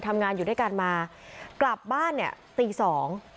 ทำงานอยู่ด้วยกันมากลับบ้านเนี่ยตีสอง